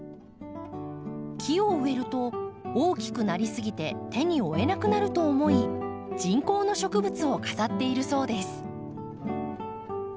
木を植えると大きくなり過ぎて手に負えなくなると思い人工の植物を飾っているそうです。